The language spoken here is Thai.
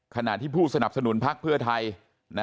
ขณะที่ผู้สนับสนุนพักเพื่อไทย